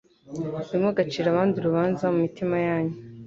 «Ntimugacire abandi urubanza mu mitima yanyu.